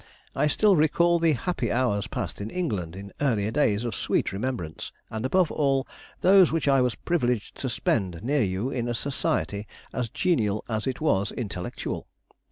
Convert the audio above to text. I still recall the happy hours passed in England in earlier days of sweet remembrance, and above all, those which I was privileged to spend near you in a society as genial as it was intellectual.